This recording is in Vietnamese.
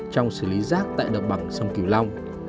trong xử lý rác tại đông băng sông kiều long